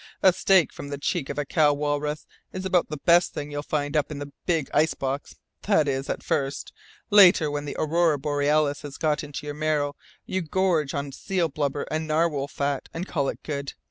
"A steak from the cheek of a cow walrus is about the best thing you find up in the 'Big Icebox' that is, at first. Later, when the aurora borealis has got into your marrow, you gorge on seal blubber and narwhal fat and call it good.